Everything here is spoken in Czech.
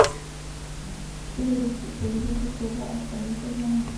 Při redukci solí zase světle až temně červená.